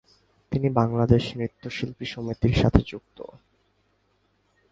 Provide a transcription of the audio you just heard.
তিনি বাংলাদেশ নৃত্যশিল্পী সমিতির সাথে যুক্ত।